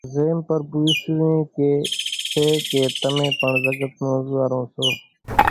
زيم پرڀُو اِيسُوئين ڪي سي ڪي تمين پڻ زڳت نون انزوئارون سو